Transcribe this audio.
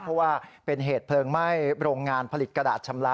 เพราะว่าเป็นเหตุเพลิงไหม้โรงงานผลิตกระดาษชำระ